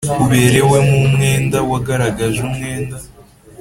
Uberewemo umwenda wagaragaje umwenda